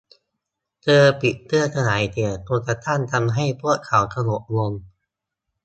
เธอปิดเครื่องขยายเสียง จนกระทั่งทำให้พวกเขาสงบลง